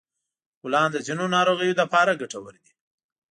ګلان د ځینو ناروغیو لپاره ګټور دي.